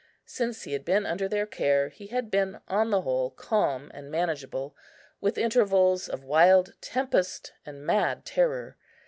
Since he had been under their care, he had been, on the whole, calm and manageable, with intervals of wild tempest and mad terror.